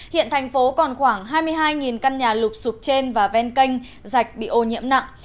hiện thành phố còn khoảng hai mươi hai căn nhà lụp sụp trên và ven canh rạch bị ô nhiễm nặng